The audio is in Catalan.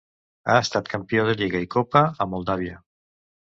Ha estat campió de lliga i copa a Moldàvia.